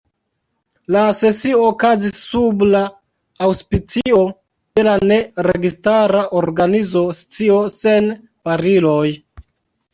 La sesio okazis sub la aŭspicio de la Ne Registara Organizo Scio Sen Bariloj.